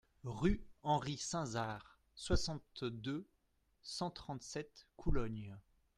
Rue Henry Sainsard, soixante-deux, cent trente-sept Coulogne